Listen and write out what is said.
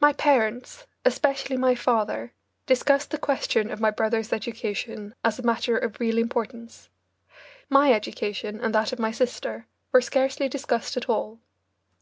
My parents, especially my father, discussed the question of my brothers' education as a matter of real importance. My education and that of my sister were scarcely discussed at all.